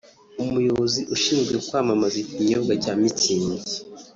umuyobozi ushinzwe kwamamaza ikinyobwa cya Mutzig